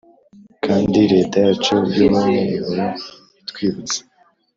Kandi reta yacu yubumwe ihora itwibutsa